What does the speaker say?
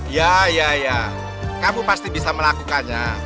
ya ya kamu pasti bisa melakukannya